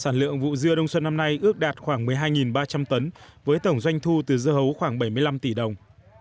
sản lượng vụ dưa đông xuân năm nay ước đạt khoảng một mươi hai ba trăm linh tấn với tổng doanh thu từ dưa hấu khoảng bảy mươi năm tỷ đồng